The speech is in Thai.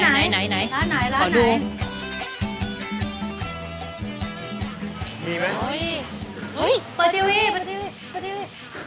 อย่างนี้เปิดทีวีเติบนะ